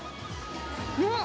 うん！